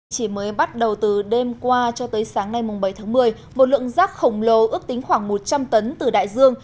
chỉ mới bắt đầu từ đêm qua cho tới sáng nay bảy tháng một mươi một lượng rác khổng lồ ước tính khoảng một trăm linh tấn từ đại dương